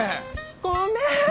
ごめん！